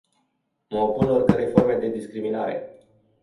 Mă opun oricărei forme de discriminare.